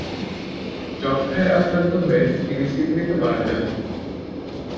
যক্ষ্মায় আক্রান্ত হয়ে তিনি সিডনিতে মারা যান।